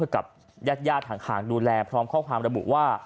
กับญาติญาติห่างดูแลพร้อมข้อความระบุว่า